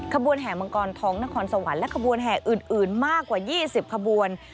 ขบวนแห่มังกรทองนครสวรรค์และขบวนแห่อื่นมากกว่า๒๐ขบวน